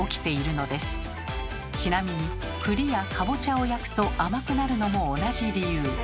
ちなみにくりやかぼちゃを焼くと甘くなるのも同じ理由。